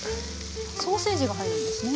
ソーセージが入るんですね。